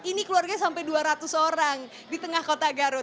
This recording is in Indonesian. ini keluarganya sampai dua ratus orang di tengah kota garut